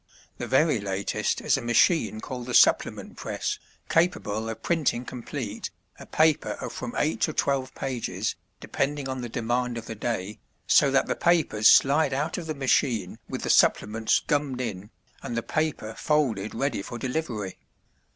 The very latest is a machine called the supplement press, capable of printing complete a paper of from eight to twelve pages, depending on the demand of the day, so that the papers slide out of the machine with the supplements gummed in and the paper folded ready for delivery.